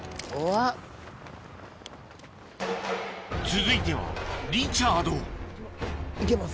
続いてはリチャード行けます。